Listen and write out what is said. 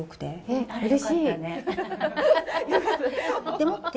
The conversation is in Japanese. でもって。